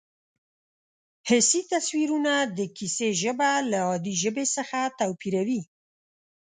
حسي تصویرونه د کیسې ژبه له عادي ژبې څخه توپیروي